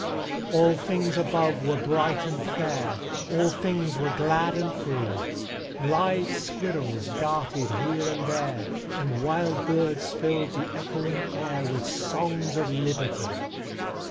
All things above were bright and fair, All things were glad and free; Lithe squirrels darted here and there, And wild birds filled the echoing air With songs of Liberty!